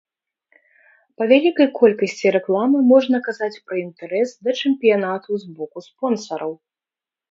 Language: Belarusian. Па вялікай колькасці рэкламы можна казаць пра інтарэс да чэмпіянату з боку спонсараў.